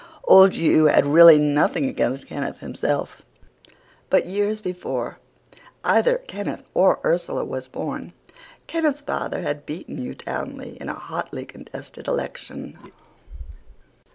Old Hugh had really nothing against Kenneth himself; but years before either Kenneth or Ursula was born, Kenneth's father had beaten Hugh Townley in a hotly contested election.